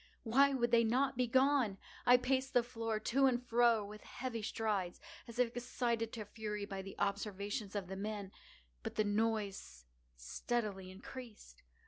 Why would they not be gone? I paced the floor to and fro with heavy strides, as if excited to fury by the observations of the men—but the noise steadily increased.